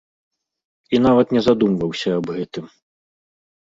І нават не задумваўся аб гэтым.